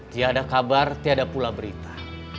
tiada kabar tiada pula berita